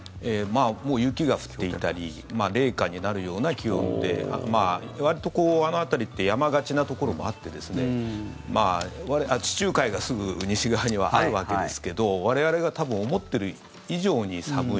もう雪が降っていたり零下になるような気温でわりとあの辺りって山がちなところもあって地中海がすぐ西側にはあるわけですけど我々が多分思ってる以上に寒い。